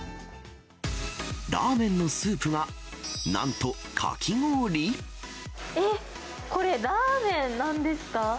ラーメンのスープが、なんとえ、これラーメンなんですか。